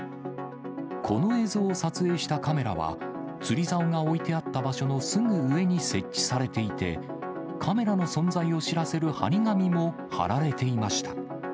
この映像を撮影したカメラは、釣りざおが置いてあった場所のすぐ上に設置されていて、カメラの存在を知らせる貼り紙も貼られていました。